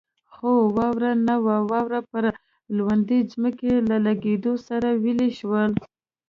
خو واوره نه وه، واوره پر لوندې ځمکې له لګېدو سره ویلې شول.